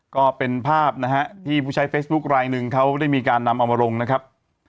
ก็เป็นภาพนะฮะที่ผู้ใช้เฟซบุ๊คลายหนึ่งเขาได้มีการนำเอามาลงนะครับ